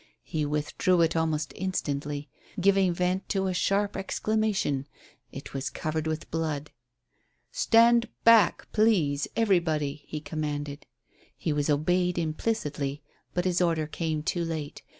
He withdrew it almost instantly, giving vent to a sharp exclamation. It was covered with blood. "Stand back, please, everybody," he commanded. He was obeyed implicitly. But his order came too late.